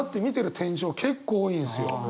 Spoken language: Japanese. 天井結構多いんですよ。